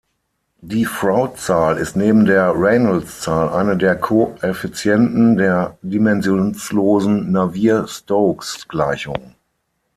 Die Froude-Zahl ist neben der Reynolds-Zahl eine der Koeffizienten der dimensionslosen Navier-Stokes-Gleichung.